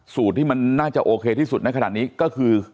สูตรที่มันน่าจะโอเคที่สุดในขณะนี้ก็คือ